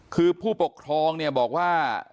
คือผู้ปกครองบอกว่า